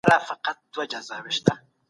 پښتو ژبه زموږ د ازاد ژوند او فکر نښه ده